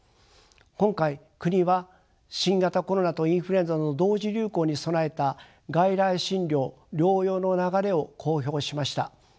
今回国は新型コロナとインフルエンザの同時流行に備えた外来診療・療養の流れを公表しました。